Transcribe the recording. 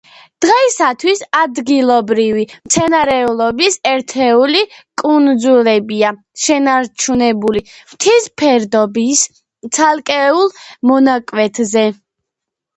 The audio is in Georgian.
დღეისათვის ადგილობრივი მცენარეულობის ერთეული კუნძულებია შენარჩუნებული მთის ფერდოების ცალკეულ მონაკვეთებზე.